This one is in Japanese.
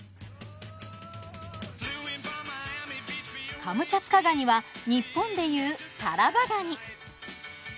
カムチャツカ蟹は日本で言う「タラバガニ」。